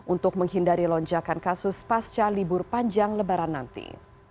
untuk menghindari lonjakan kasus pasca libur panjang lebaran nanti